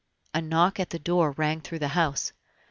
A knock at the door rang through the house.